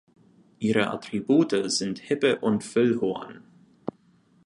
Ihre Attribute sind Hippe und Füllhorn.